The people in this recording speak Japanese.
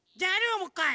もっかい。